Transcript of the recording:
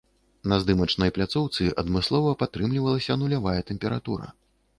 На здымачнай пляцоўцы адмыслова падтрымлівалася нулявая тэмпература.